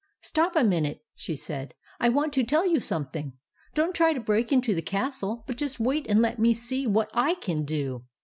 " Stop a minute," she said. " I want to tell you something. Don't try to break into the castle, but just wait and let me see what / can do.